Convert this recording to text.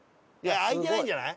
開いてないんじゃない？